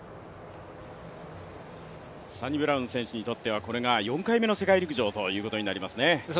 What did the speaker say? サニブラウン選手にとってはこれが４回目の世界陸上ということになりますね。